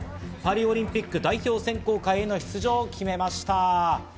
パリオリンピック代表選考会の出場を決めました。